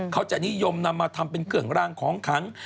เขาจะนิยมนำมาทำเป็นเครื่องรางของขัง